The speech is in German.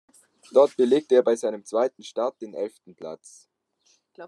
Dort belegte er bei seinem zweiten Start den elften Platz.